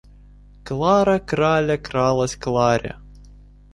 Клара-краля кралась к Ларе.